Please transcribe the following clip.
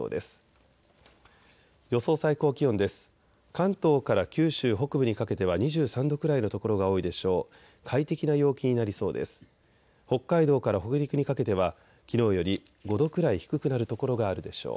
関東から九州北部にかけては２３度くらいの所が多いでしょう。